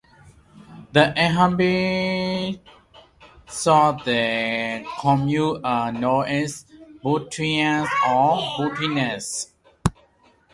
The inhabitants of the commune are known as "Butrians" or "Butrianes".